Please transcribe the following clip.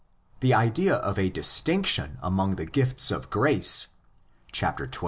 The idea of a distinction among the gifts of grace (xii.